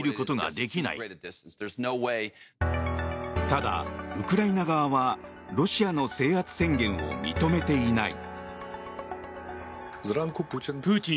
ただ、ウクライナ側はロシアの制圧宣言を認めていない。